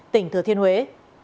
tỉnh thừa thiên huế